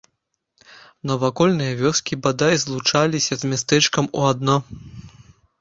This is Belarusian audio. Навакольныя вёскі бадай злучаліся з мястэчкам у адно.